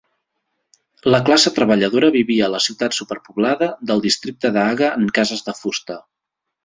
La classe treballadora vivia a la ciutat superpoblada del districte de Haga en cases de fusta.